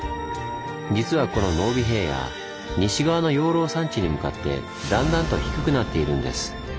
実はこの濃尾平野西側の養老山地に向かってだんだんと低くなっているんです。